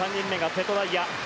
瀬戸大也。